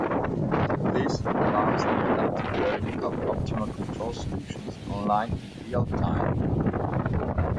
This allows the adaptive learning of Optimal control solutions online in real time.